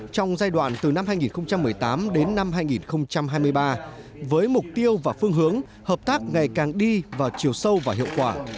trong giai đoạn từ năm hai nghìn một mươi tám đến năm hai nghìn hai mươi ba với mục tiêu và phương hướng hợp tác ngày càng đi vào chiều sâu và hiệu quả